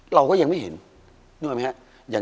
เราก็ยังไม่เห็นนึกออกไหมครับ